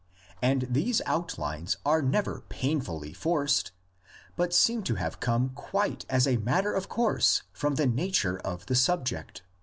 And these outlines are never painfully forced, but seem to have come quite as a matter of course from the nature of the subject.